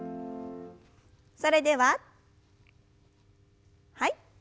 それでははい。